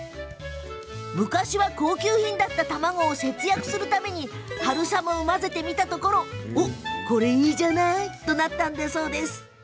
昔は高級品だった卵を節約するために春雨を混ぜてみたところいいじゃないとなったそう。